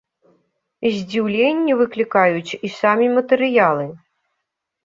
Здзіўленне выклікаюць і самі матэрыялы.